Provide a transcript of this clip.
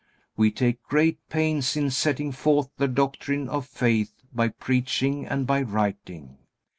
We take great pains in setting forth the doctrine of faith by preaching and by writing.